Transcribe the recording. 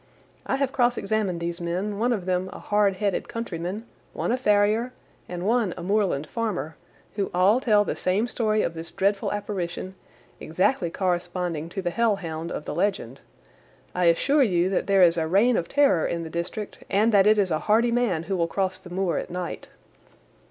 I have cross examined these men, one of them a hard headed countryman, one a farrier, and one a moorland farmer, who all tell the same story of this dreadful apparition, exactly corresponding to the hell hound of the legend. I assure you that there is a reign of terror in the district, and that it is a hardy man who will cross the moor at night."